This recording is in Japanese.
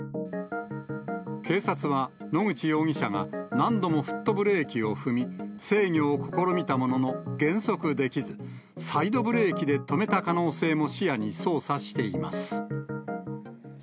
警察は、野口容疑者が何度もフットブレーキを踏み、制御を試みたものの、減速できず、サイドブレーキで止めた可能性も視野に捜査しています。